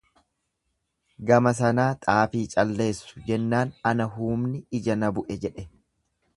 Gama sanaa xaafii calleessu jennaan ana huubni ija na bu'e jedhe.